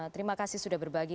terima kasih sudah berbagi